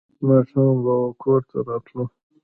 ماښام به کور ته راتلو.